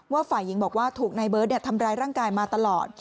ฝ่ายหญิงบอกว่าถูกนายเบิร์ตทำร้ายร่างกายมาตลอด